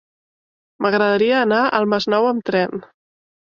M'agradaria anar al Masnou amb tren.